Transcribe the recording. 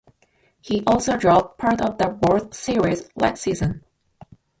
He also drove part of the World Series Light season.